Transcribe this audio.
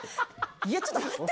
ちょっと待って！